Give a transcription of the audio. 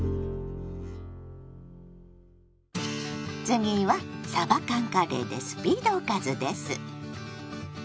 次はさば缶カレーでスピードおかずです。